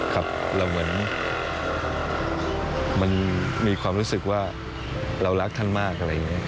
มันมีความรู้สึกว่าเรารักท่านมาก